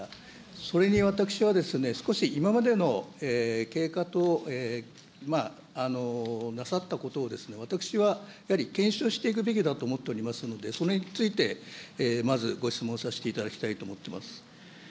それに私は少し、今までの経過と、なさったことを、私はやはり検証していくべきだと思っておりますので、それについて、まずご質問させていただきたいと思っています。